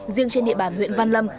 riêng trên địa bàn huyện văn lâm